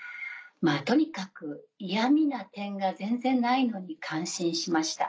とにかく嫌みな点が全然ないのに感心しました。